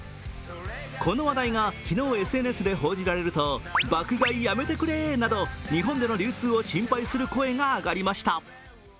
この話題が昨日ＳＮＳで報じられると爆買いやめてくれなど日本での流通を心配する声が上がりました。